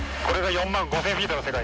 ４万５，０００フィートの世界。